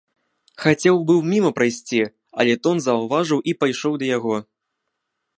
Хацеў быў міма прайсці, але тон заўважыў і пайшоў да яго.